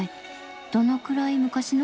どのくらい昔の？